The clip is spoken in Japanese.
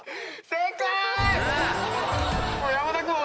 正解！